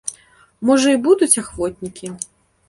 Можа, і будуць ахвотнікі?